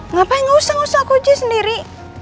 ngapain gak usah ngusah aku aja sendiri